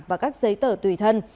và các giấy tờ tùy thân